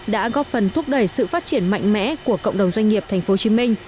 đã góp phần thúc đẩy sự phát triển mạnh mẽ của cộng đồng doanh nghiệp tp hcm